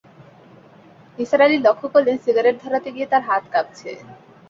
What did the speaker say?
নিসার আলি লক্ষ করলেন, সিগারেট ধরাতে গিয়ে তাঁর হাত কাঁপছে।